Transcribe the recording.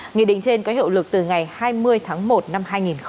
nghị định trên có hiệu lực từ ngày hai mươi tháng một năm hai nghìn hai mươi